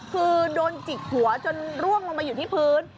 คือโดนจิกหัวจนร่วงลงมาอยู่ที่พื้น